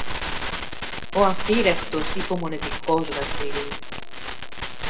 Ο απείραχτος υπομονητικός Βασίλης!